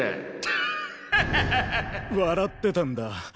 現在笑ってたんだ。